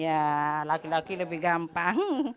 ya laki laki lebih gampang